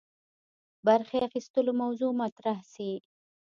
برخي اخیستلو موضوع مطرح سي.